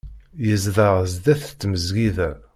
Yezdeɣ sdat tmesgida.